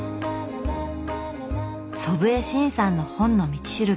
祖父江慎さんの「本の道しるべ」。